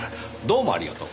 どうもありがとう。